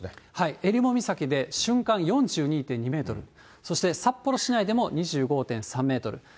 えりも岬で、瞬間４２．２メートル、そして、札幌市内でも２５．３メートル。